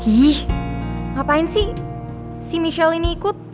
wih ngapain sih si michelle ini ikut